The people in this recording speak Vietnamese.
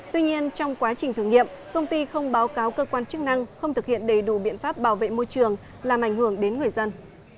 tuy nhiên trong quá trình thử nghiệm công ty không báo cáo cơ quan chức năng không thực hiện đầy đủ biện pháp bảo vệ môi trường làm ảnh hưởng đến người dân